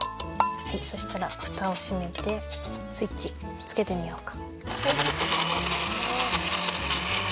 そしたらふたをしめてスイッチつけてみようか。